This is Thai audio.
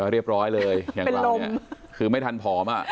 เรียบร้อยเลยอย่างเรานี่เป็นลมคือไม่ทันพร้อม